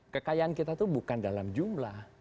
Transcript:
kekayaan kita itu bukan dalam jumlah